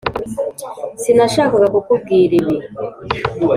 sinashakaga kukubwira ibi.